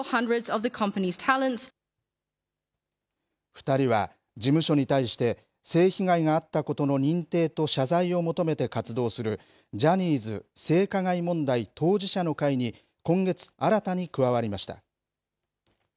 ２人は、事務所に対して、性被害があったことの認定と謝罪を求めて活動する、ジャニーズ性加害問題当事者の会に、今月、新たに加わりました。